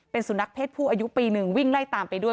เป็นสุนัขเพศผู้อายุปีหนึ่งวิ่งไล่ตามไปด้วย